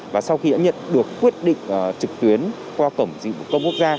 và sau khi đã nhận được quyết định trực tuyến qua cổng dịch vụ công quốc gia